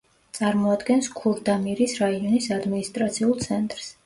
წარმოადგენს ქურდამირის რაიონის ადმინისტრაციულ ცენტრს.